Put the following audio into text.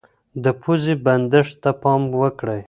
د پوزې بندښت ته پام وکړئ.